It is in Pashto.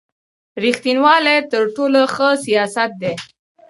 رېښتینوالي تر ټولو ښه سیاست دی.